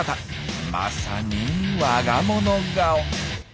まさにわが物顔。